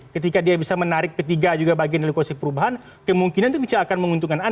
ketika dia bisa menarik p tiga juga bagian dari koalisi perubahan kemungkinan itu bisa akan menguntungkan